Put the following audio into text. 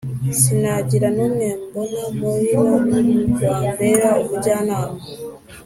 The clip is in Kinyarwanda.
sinagira n’umwe mbona muri bo, wambera umujyanama!